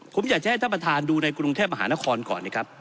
ผมอยากจะให้ท่านประธานดูในกรุงเทพมหานครก่อนนะครับ